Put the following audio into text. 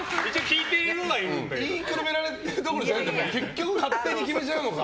言いくるめているどころではなくて結局勝手に決めちゃうのか。